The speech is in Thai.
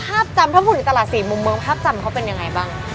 ภาพจำถ้าพูดถึงตลาดสี่มุมเมืองภาพจำเขาเป็นยังไงบ้าง